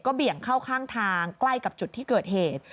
เบี่ยงเข้าข้างทางใกล้กับจุดที่เกิดเหตุ